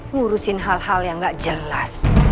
ngurusin hal hal yang nggak jelas